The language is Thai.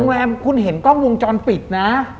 โรงแรมคุณเห็นกล้องวงจรปิดนะ